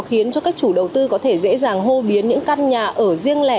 khiến cho các chủ đầu tư có thể dễ dàng hô biến những căn nhà ở riêng lẻ